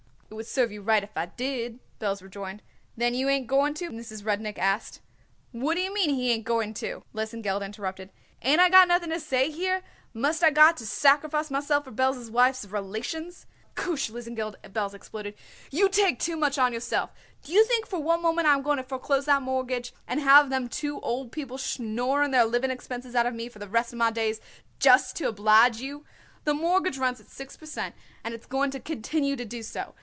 "It would serve you right if I did," Belz rejoined. "Then you ain't going to?" Mrs. Rudnik asked. "What d'ye mean, he ain't going to?" Lesengeld interrupted. "Ain't I got nothing to say here? Must I got to sacrifice myself for Belz's wife's relations?" "Koosh, Lesengeld!" Belz exploded. "You take too much on yourself. Do you think for one moment I am going to foreclose that mortgage and have them two old people schnorring their living expenses out of me for the rest of my days, just to oblige you? The mortgage runs at 6 per cent., and it's going to continue to do so.